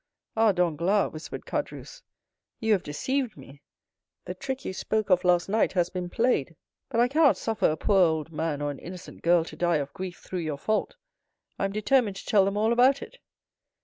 "Ah, Danglars!" whispered Caderousse, "you have deceived me—the trick you spoke of last night has been played; but I cannot suffer a poor old man or an innocent girl to die of grief through your fault. I am determined to tell them all about it."